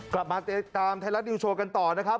กลับมาติดตามไทยรัฐนิวโชว์กันต่อนะครับ